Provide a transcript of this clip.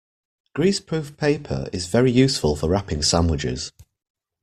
Greaseproof paper is very useful for wrapping sandwiches